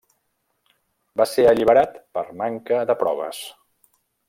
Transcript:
Va ser alliberat per manca de proves.